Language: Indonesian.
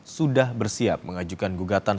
sudah bersiap mengajukan gugatan